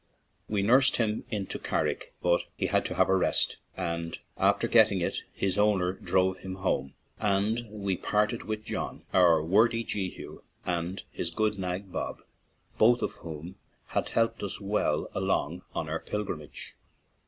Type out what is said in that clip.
We nursed him into Carrick, but he had to have a rest, and after getting it his owner drove him 47 ON AN IRISH JAUNTING CAR home. And so we parted with John, our worthy Jehu, and his good nag, Bob, both of whom had helped us well along on our pilgrimage.